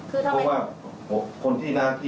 ตอนเจ้าชมกันท่านนโยคเครียดไหมคะ